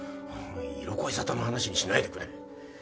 色恋沙汰の話にしないでくれ。